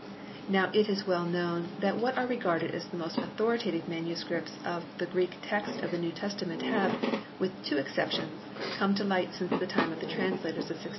Now it is well known that what are regarded as the most authoritative MSS. of the Greek Text of the New Testament have, with two exceptions, come to light since the time of the translators of 1611.